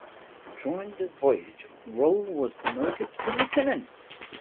During this voyage, Roe was promoted to lieutenant.